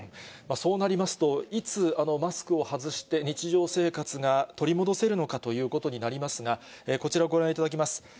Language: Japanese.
そうなりますと、いつマスクを外して、日常生活が取り戻せるのかということになりますが、こちらをご覧いただきます。